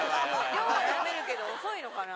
量は飲めるけど遅いのかな？